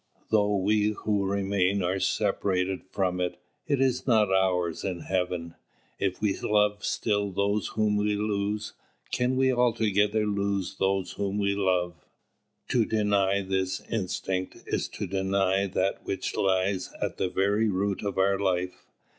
Though we who remain are separated from it, is it not ours in heaven? If we love still those whom we lose, can we altogether lose those whom we love?" To deny this instinct is to deny that which lies at the very root of our life.